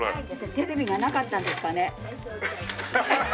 テレビがなかったんですかね？